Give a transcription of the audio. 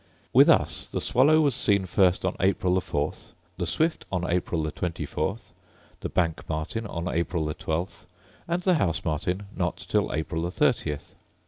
With us the swallow was seen first on April the 4th, the swift on April the 24th, the bank martin on April the 12th, and the house martin not till April the 30th.